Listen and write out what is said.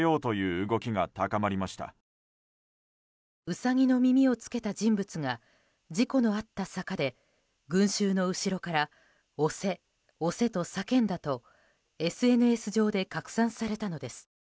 ウサギの耳を着けた人物が事故のあった坂で群衆の後ろから押せ、押せと叫んだとＳＮＳ上で拡散されたのです。